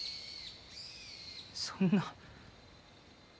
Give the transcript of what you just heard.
そんな。